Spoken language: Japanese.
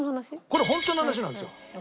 これホントの話なんですよ。